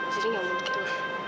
jadi nggak mungkin